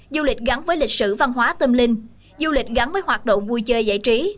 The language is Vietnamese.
du lịch gắn với lịch sử văn hóa tâm linh du lịch gắn với hoạt động vui chơi giải trí